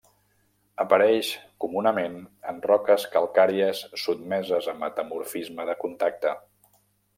Apareix comunament en roques calcàries sotmeses a metamorfisme de contacte.